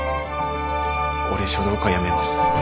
俺書道家辞めます。